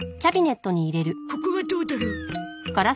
ここはどうだろう？